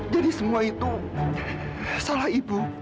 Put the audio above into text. jadi semua itu salah ibu